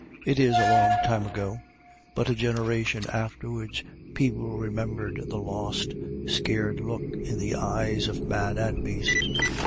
It is a long time ago, buj^at generation afterwards people remembered t^JVlost, scared look in the eyes of man and beast.